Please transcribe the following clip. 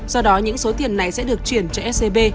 do đó những số tiền này sẽ được chuyển cho scb